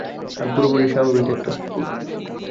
আমি পুরোপুরি স্বাভাবিক একটা কুকুর।